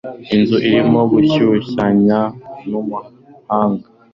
Inzu irimo gushushanya numuhanga.